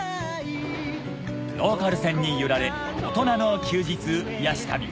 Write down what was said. ローカル線に揺られ大人の休日癒やし旅